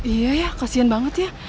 iya ya kasian banget ya